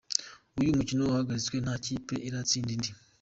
Uyu mukino wahagaritswe nta kipe iratsinda indi.